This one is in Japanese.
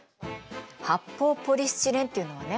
発泡ポリスチレンっていうのはね